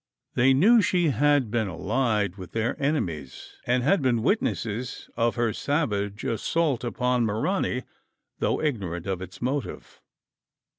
They knew she had been allied with their enemies; and had been witnesses of her savage assault upon Maranee, though ignorant of its motive.